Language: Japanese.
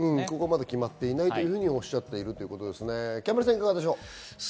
まだ決まっていないとおっしゃっているということですね。